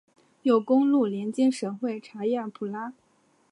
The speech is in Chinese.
有公路连接省会查亚普拉。